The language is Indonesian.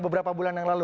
beberapa bulan yang lalu